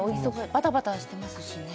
バタバタしてますしね